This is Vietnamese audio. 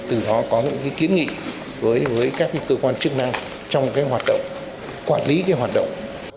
từ đó có những kiến nghị với các cơ quan chức năng trong hoạt động quản lý hoạt động